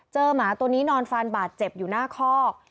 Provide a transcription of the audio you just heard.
หมาตัวนี้นอนฟันบาดเจ็บอยู่หน้าคอก